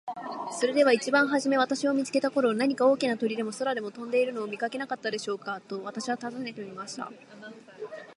「それでは一番はじめ私を見つけた頃、何か大きな鳥でも空を飛んでいるのを見かけなかったでしょうか。」と私は尋ねてみました。